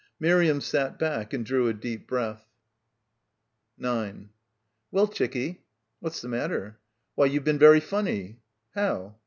Miriam sat back and drew a deep breath. 9 "Well, chickie?" "What's the matter?" "Why, you've been very funny !" "How?"